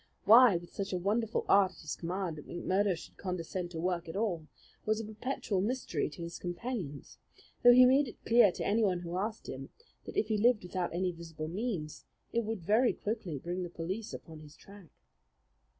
Why, with such a wonderful art at his command, McMurdo should condescend to work at all was a perpetual mystery to his companions; though he made it clear to anyone who asked him that if he lived without any visible means it would very quickly bring the police upon his track.